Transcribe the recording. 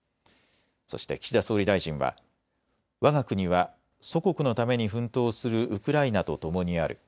そして岸田総理大臣はわが国は祖国のために奮闘するウクライナとともにある。